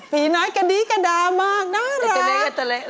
ผีน้อยกระดีกระดามากน่ารัก